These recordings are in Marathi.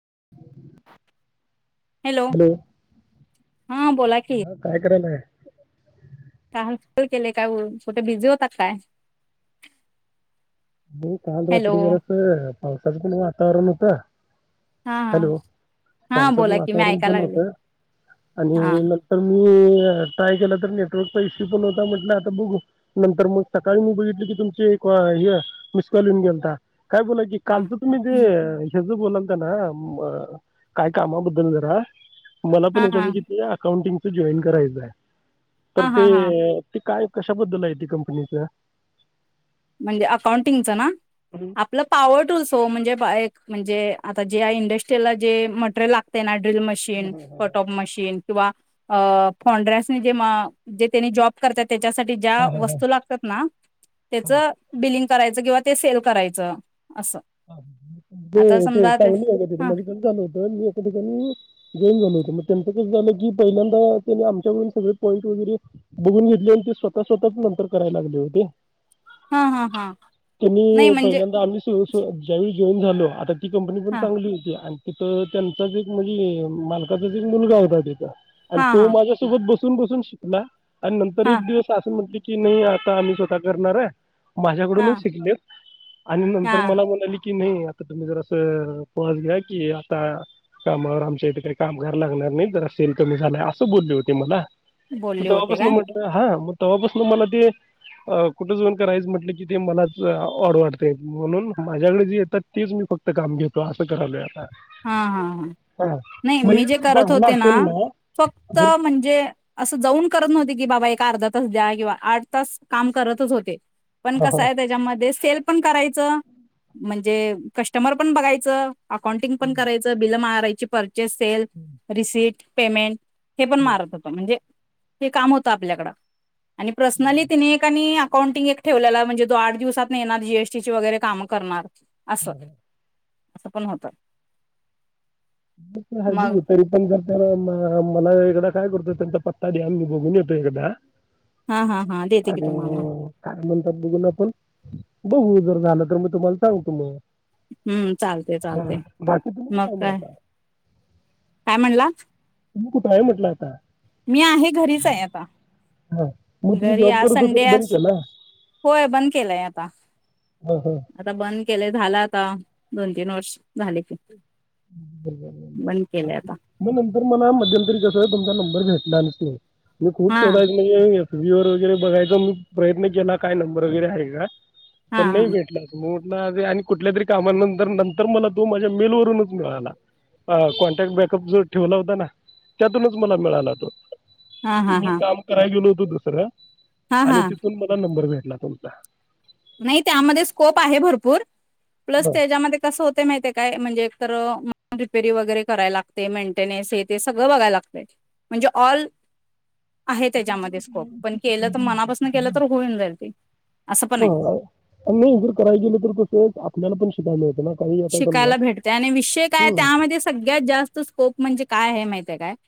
[inaudible] [inaudible] हॅलो हा बोला हा काय करालाय? का केले काय कुठे बिझी होता काय? मी काल हॅलो रात्री जरासं पावसाचं पण वातावरण होतं. हा हॅलो हा हा पावसाचं बोला की मी वातावरण ऐकाय पण लागले होत हा आणि नंतर म मग ट्राय केला तर नेटवर्कचा इश्यू पण होता म्हटलं आता बघ नंतर मग सकाळी मी बघितली की तुमचे कॉ हे मिस कॉल येऊन गेलता. काय बोला की हा कालचं तुम्ही हा ते बोलालता ना मग काय कामाबद्दल जरा? मला पण हा यांच्याकडून किती अकाउंटिंग जॉईन करायचाय. तर हा हा हा ते ते काय? कशाबद्दल आहे ते कंपनीच? म्हणजे अकाउंटिंगच ना. आपलं पॉवर टूल्स हो म्हणजे पाहा म्हणजे आता जे इंडस्ट्रीला जे मटेरियल लागते ना ड्रिल मशीन, कटऑफ मशीन, किंवा फौंन्ड्रन्सनी जेव्हा तेनी जॉब करत्यात त्याच्यासाठी ज्या वस्तू लागतात ना त्याचं बिल करायच किंवा ते सेल करायचं. असं ते आता ते समजा चांगली आहे हा मध्ये ते बंद झाल होतं. मी एका ठिकाणी घेऊन आलो होत म त्यांंत कस झालं, की पहिल्यांदा त्यांनी आमच्याकडून सगळे पॉईंट वगैरे बघून घेतले आणि ते स्वतः स्वतःच नंतर कराय लागले होते हा हा हा नाही त्यांनी म्हणजे पहिल्यांदा आम्ही सु वळी घेऊन झालो आता ती कंपनी पण हां चांगली होती आणि तिथं त्यांचाच एक म्हणजे, मालकाचाच एक मुलगा होता तिथ आणि हां तो हां माझ्यासोबत बस बसून बसून शिकला. आणि नंतर एक हां दिवस आस म्हणतोय की कि नाही आता आम्ही स्वतः करणार आहे. माझ्याकडूनच हां शिकलेत आणि नंतर हां ली की नाही आता तुम्ही जर असं पॉज घ्या की, आता कामावर आमच्या इथ काय कामगार लागणार नाहीत जरा सेल कमी झालाय. असं बोलले होते मला. म बोलले होते तवापसन काय म्हटलं हा म तेव्हापासून मला ते कुठंजाऊन करायचं म्हटलं कि ते मलाच ऑड वाटते. म्हणून माझ्याकडे जी येतात, तीच मी फक्त काम घेतो असं करालोय आता. हा हा हा नाही मग हे मी जे जर करत चांगला होते असेल ना, फक्त जर म्हणजे असं जाऊन करत नव्हते की बाबा एक अर्धा तास द्या किंवा आठ तास काम करतच होते. पण हा कसा हा आहे त्याच्यामध्ये सेल पण कराय म्हणजे कस्टमर पण बघायचं. अकाउंटिंग पण करायचं, बिल मारायची, पर सेल्फ, रिसि्ट पेमेंट हे पण मारत होतो म्हणजे हे काम होतं आपल्याकड. आणि पर्सनली तिने कणी अकाउंटिंग एक ठेवलेला म्हणजे तो आठ दिवसात नाही येणार, जीएसटीची वगैरे काम करणार. असं असं पण होतं. मग तर हाय बगू, तरी पण जर त्यानं मला एकदा काय करतो त्यां पत्ता द्या, मी बघून येतो एकदा. हा हा हा देते अ की तुम्हाला काय म्हणतात बघून आपण बघू जर झालं तर मी तुम्हाला सांगतो मग. हम्म चालते हा. चालते बाकी तुम्ही मग कुठं आहे काय. आता काय म्हणला? तु्ही कुठं आहे म्हटलं आता? मी आहे घरीच आहे आता. हा. मग तुम्ही घरी जॉब आ करत होता तर संडे बंद केला होय बंद केलाय आता. हा, हा. आता बंद केलंय झाला आता दोन तीन वर्ष. झाले की बंद केलंय आता. म नंतर मणा मध्यंतरी कसं तुमचा नंब बर भेटना नती. मी खूप हा शोदा म्हणे ये. टी व्ही वर वगैरे बघायचा मी प्रयत्न केला काय नंबर वगैरे हाय का. हा पण नाही भेटला [unintelligible] ना आदि आणि कुठल्या तरी कामानंतर नंतर मला त तो माझ्या मेलवरूनच मिळाला. अ कॉन्टॅक्ट बॅकअप जो ठेवला होता ना त्यातूनच मला मिळाला तो. हा हा मी हा हा काम कराय गेलो तो दुसरं. हा आणि हा तिथून मला नंबर मिळ ना पमता. नाही त्यामध्ये स्कोप आहे भरपूर प्लस त्याच्यामध्ये कसं होतय माहित्या काय म्हणजे तर रिपेरी वगैरे कराय लागते मेंटेनेस हे ते सगळ बघाय लागतय म्हणजे ऑल आहे त्याच्यामध्ये स्कोप पण केलं तर मनापासून केलं तर होऊन जाईल ते असं पण आहे. हां नाही जर कराय गेलं तर कसं आपल्याला पण शिकायला मिळतं ना काही आता समजा शिकायला भेटते आणि विषय काय हम्म, त्यामध्ये सगळ्यात जास्त स्कोप म्हणजे काय आहे माहिती [unintelligible]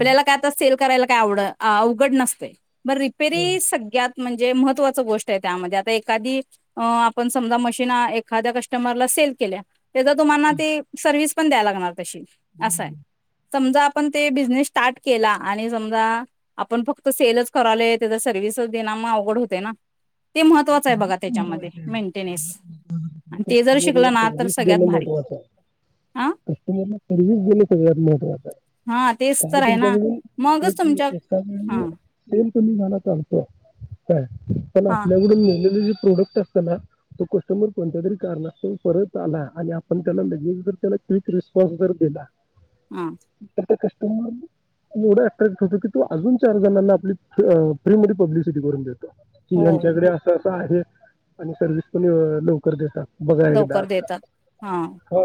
हा. काय तर सेल करायला तेवड अवघड नसते मग रिपेरी सगळ्यात म्हणजे महत्त्वाच गोष्ट आहे त्यामध्ये आता एखादी आपण समजा मशीन एखाद्या कस्टमरला सेल केल्या तेचा तुम्हांना ते सर्विस पण द्याव लागणार तशी बर असं आहे. बर. समजा आपण ते बिझनेस स्टार्ट केला आणि समजा आपण फक्त सेलच करालोय त्याचा सर्विस देना म अवघड होतय ना. ते महत्त्वाचं आहे बघा त्याच्यामध्ये मेंटेनेस आणि ते जर शिकलं ना देण सगळ्यात भारी महत्वाचं हाय. हा कस्टमरला सर्विस देण सगळ्यात महत्वाचं हाय. हा तेच काय हाय तर आहे ना. तुमच्याकडून एक मगच ही तुमच्या हा एकाचवेळी पंप निघाला चालतो काय? हा लंगडून हिजे तिजे प्रोडक्ट असता ना, तो कस्टमर कोणत्या तरी कारणस्तव परत आला आणि आपण त्याला लगेच, जर त्याला क्विक रिस्पॉन्स जर दिला हा तर ते कस्ट मर एवढा अट्रॅक्ट होतो की, तो अजून चार जणांना आपली फ्री मध्ये पब्लिसिटी करून देतो. की हो. यांच्याकडे आहे आणि सर्विस पण लवकर देतात. बघा एकदा लवकर असं देतात हा हो.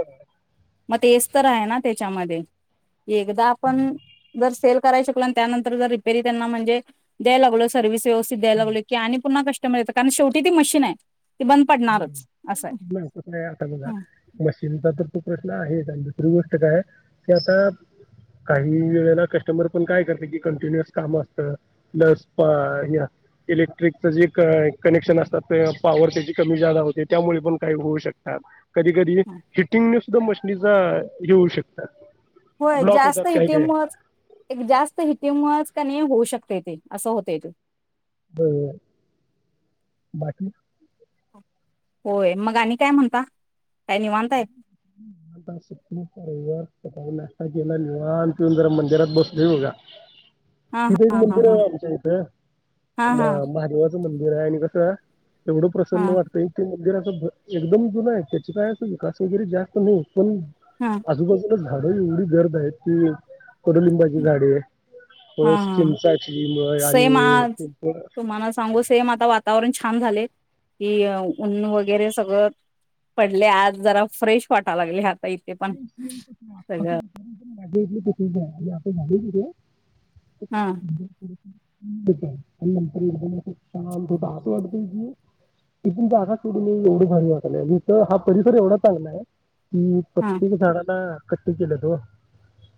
मग तेच तर आहे. ना त्याच्यामध्ये एकदा आपण जर सेल कराय शिकलो, त्यानंतर रिपेरी त्यां म्हणजे द्या लागलो सर्विस, व्यवस्थित द्यायला लागलो की आणि पुन्हा कस् [unintelligible] कारण शेवटी ती मशीन आहे. ती बंद पडणारच असं आहे हस आता बघा हं मशीनचा तर खूप प्रश्न आहे आणि दुसरी गोष्ट काय की आता काही वेळेला कस्टमर पण काय करते की कंटिन्युअस काम असतं प्लस इलेक्ट्रिकच जे कनेक्शन असतात पॉवरचे कमी जा होते त्यामुळे पण काही होऊ शकतात. कधी कधी हं हिटिंग न्यूज, सुद्धा मशनीचा येऊ शकता. होय जास्त हिटीमुळेच एक जास्त हिटीमुळेच नाही होऊ शकत य ते असं होत ते. बर बाकी. होय मग आणि काय म्हणता. काय निवांत आहे सुपर सकाळी नाष्टा केला. निवांत येऊन जरा मंदिरात बसलोय बघा. हा तिथे एक हा हा मंदिर हा आहे आमच्या इथं हा म हा महादेवाच. मंदिर आहे आणि कसं, एवढं हा प्रसन्न वाटत इ वगैर अस एकदम जुन आहे. त्याची काय [unintelligible] जास्त नाही पण हा आजूबाज झाड एवढी गर्द आहे, की कडुलिंबाची झाडे. हा परत हा चिंचाची मग सेम आणि आ पिंपळ. सेम तुम्हाला सांगू सेम आता वातावरण छा छान झाले की ऊन वगैरे सगळं पडले आज जरा फ्रेश वाटा लागले हात इथे पण सेम तसं आत्ताचं सगळं, [unintelligible] हा खूप छान हो [unintelligible] असं वाटतय की तथून जाघाड मी एवढं भारी वाकलाय हा परिसर एवढा चांगला आहे. की हा [unintelligible] ना कटी केल्यात हो.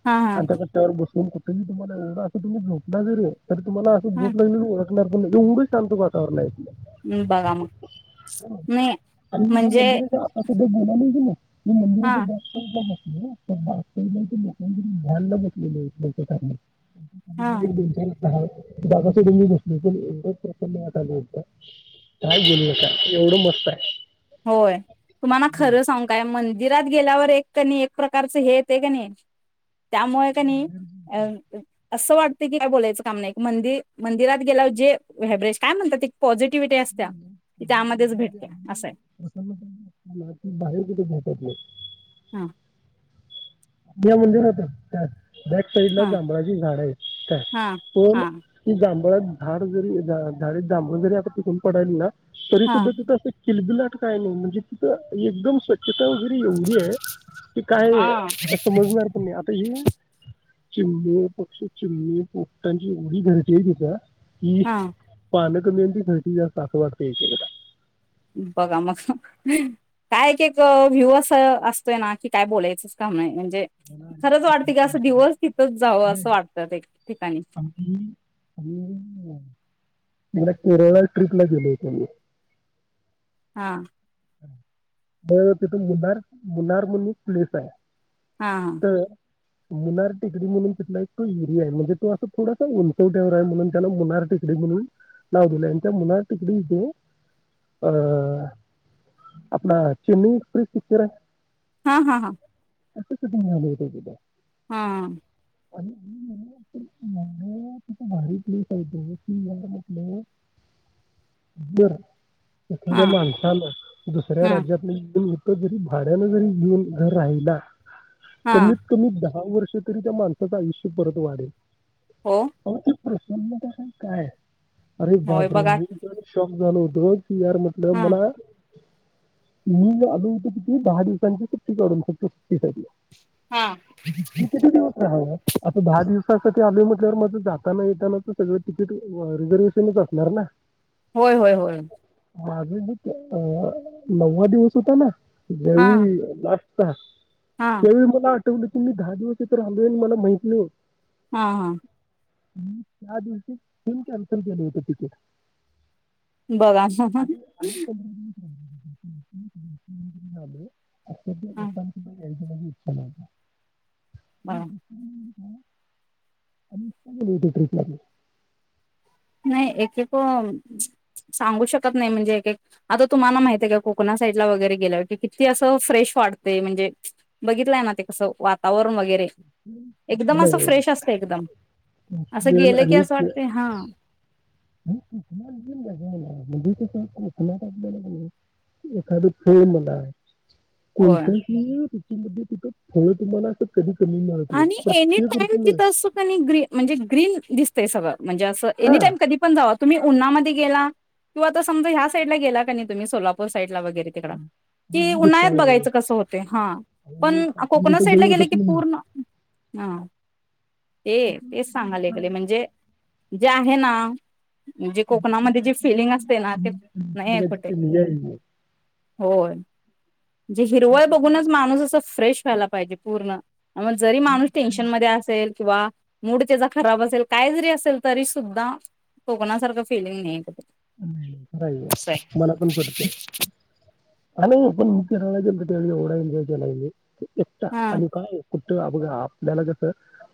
हा हा आता कशावर बो [inaudible] तरी तुम्हाला असं हा भूक लागलेल एवढ शांत वााततावरणय हम् बघा मग नई म्हणजे हेजे बोललो य कणी [unintelligible] [unintelligible] हा हा [unintelligible] दोन चार [unintelligible] काय बोलू आता एवढं मस्त आहे. होय तुम्हाना खरं सांगू काय मं दीरात गेल्यावर एक कणी एक प्रकारच हे येत की नई- त्यामुळे कनी अ अ असं वाटतं की काय बोलायचं काम नाई, मंदि मंदिरात गेल्यावर जे व्हॅब्रेश काय म्हणतात ते- पॉझिटिव्हटी असत्या की त्यामध्येच भेटत्या असं आणि आय- [unintelligible] हम या मंदिरात या काय बॅक साइड ला हा जांभळाची झाड आहेत. काय हा पण हा ती जांभ- पण झाड जरी झा झाडीत जांभूळ जरी आता पिकून पडायली ना तरी हा सुद्धा तिथं अस एक - किलबिलाट काय म्ह म्हणजे तिथं एकदम स्वच्छ - ता वैगेरे एवढी आहे की काय- हा - समजणार पण नाई आता हे- चिमणी पक्षी चिमणी पोपंटाची एवढी गर्दी हाय तिथ. की हा पालक [unintelligible] अस वाटतंच एक एकदा बघा मग काय एक एक व्ह्यू असं असतोय ना की काय बोलायचंच काम नाय म्हजे मला - खरच वाटत की अस आणि दिवस तिथच जावं नाही, असं वाटत ते ठिकाणीं. [inaudible] आमची आम्ही एकदा केरळला एक ट्रिपला गेलो होतो मी. हा. म तिथून मुन्नार- मुन्नार म्हणून एक प्लेस आहे. हा तर मुन्नार टेकडी म्हणून तिथला एक तो एरिया आहे. म्हणजे तो असं थोडासा उंचवट्यावर आहे म्हणून त्याला मुनार टेकडी म्हणून नाव दिलंय आणि त्या मुनार टेिकडी जे अं आपला चेन्नई एक्सप्रेस पिच्चर आहे. हा हा हा [unintelligible] हा [unintelligible] भारी प्लेस आहे की यार म्हटलं [unintelligible] तस हा त्या माणसांना- दुसऱ्या हा राज्यात ली. तुम्ही इथ जरी भाड्यान जरी घेऊन घर राहिला. हा तुम्ही तुम्ही द्या दहा वर्ष तरी त्या माणसाचं आयुष्य परत वाढेल. हो आ वो त्यो प्रसनता का काय अरे होय बापरे बघा मी की तर शॉक झाल होत [unintelligible] म्हटलं हा मला मी आलो होतो किती दहा दिवसांची सुट्टी काढून फक्त सुट्टीसाठी. हा मी किती दिवस राहणार? आता दहा दिवसासाठी आलोय म्हटल्यावर माझं जाताना येतानाच सगळं तिकीट रिझर्वेशनच असणार ना? होय होय होय. माझं हेच आहे. अ नववा दिवस होता ना? ज्या हा वेळी लास्ट [unintelligible] हा त्या वेळी मला तुम्ही दहा दिवस तर राहिलोय आणि मला माहित नाही, हा हा मी त्या दिवशी तिकीट कॅंसल केले होते तिथे. बघा. [unintelligible] असभ्य लोकांची यायची माझी इच्छा नव्हती. बघा [unintelligible] ली होती ट्रिपला तो. नाही एक एक सांगू शकत नाही म्हणजे एक एक आता तुम्हाला माहित आहे का कोकण साईडला वगैरे गेल्यावर क किती असं फ्रेश वाटतय म्हणजे बघितलंय ना ते कसं वातावरण र एकदम अस नाही, फ्रेश असतय एकदम असं वेळ गेलं की आणि असं के- वाटते हां [unintelligible] म्हणजे कस कोकणात आपल्याला एखाद फळ म्हणा होय कोणत्या [unintelligible] ती म्हणजे तिथं फळ तुम्हाला अस कधी कमी मिळत नाही आणि एनी प्रत्येक टाइम ऋतूमध्ये तिथं अस कणी ग म्हणजे ग्रीन दि ते सगळ. म्हणजे असं हा एनीटाइम कधी पण जावा तुम्ही उन्हामध्ये गेला किंवा आता समजा ह्या साईडला गेला कनी तुम्ही सोलापूर साईड ला वगैरे तिकडं की उन्हाळ्यात दुष्काळ आहे. बघायच कस होतय हा आणि पण पाच कोकन मिनिटं साईड जवळ ला गेल वाटत की नाही पूर्ण हां. ए तेच सांगाले गले म्हणजे जे आहे ना जे कोकणामध्ये जे फिलिंग असतय ना ते नाहीये निसर्गाची कुठे, कमी आहे. होय जे हिरवय बघूनच माणूस असं फ्रेश व्हायला पाहिजे पूर्ण म जरी माणूस टेन्शन मध्ये असेल किंवा मूड त्याचा खराब असेल, काय जरी असेल तरी सुद्धा कोकणासारखं फिलिंग नाही कुठं. नाही, खरंय मलापण पटतय. आणि आम्ही फिरायला गेलतो त्यावेळी एवढा एन्जॉय केलाय कणी एकटा हा आणि काय कु तिथं आगोदर आपल्याला कस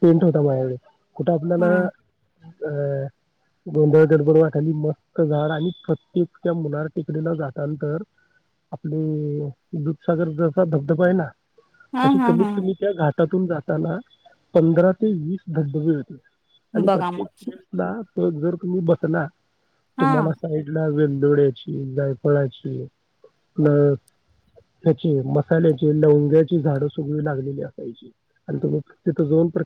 टेंट होता माझ्याकडे कुठ आपल्याला हा अ गोंधळ गडबड वाटाली म तिथं झाड आणि प्रत्येक त्या [unintelligible] टेकडीला जाताना तर आपले दूधसागर जसा धबधबा आहे ना हा अशी हा कमीत हा कमी त्या घाट टातून जाताना पंधरा ते वीस धबधबे होते आणि बघा मग प्रत्येक हेल्थला तोच जर तुम्ही बसला हा. तुम्हाला साईडला वेल दोड्याची, जायफळाची प्लस ह्याची मसाल्याची, लवंग्याची झाड सगळी लागलेली असायची आणि तिथं जाऊन